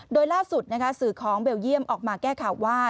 โดยล่าสุดสื่อของเบลเยี่ยมออกมาแก้ข่าวว่า